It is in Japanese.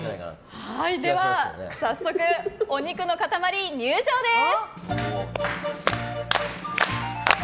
では早速お肉の塊入場です。